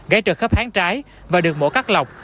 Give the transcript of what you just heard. gãy trượt khớp háng trái và được mổ cắt lọc